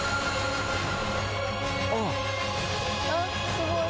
すごい！